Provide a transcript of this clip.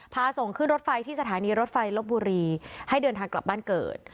พาส่งขึ้นรถไฟที่สถานีรถไฟลบบุรีให้เดินทางกลับบ้านเกิด